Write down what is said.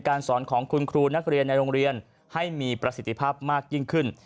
สอนของคุณครูนักเรียนในโรงเรียนให้มีประสิทธิภาพมากยิ่งขึ้น